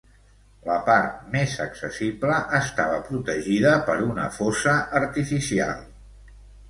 La part més accessible estava protegida per una fossa artificial.